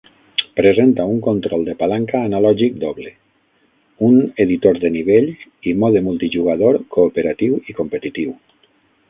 Presenta un control de palanca analògic doble, un editor de nivell i mode multijugador cooperatiu i competitiu.